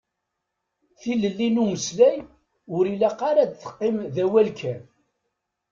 Tilelli n umeslay, ur ilaq ara ad teqqim d awal kan.